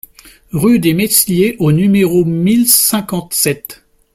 Rue des Mesliers au numéro mille cinquante-sept